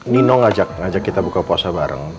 nino ngajak ngajak kita buka puasa bareng